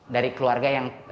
dari keluarga yang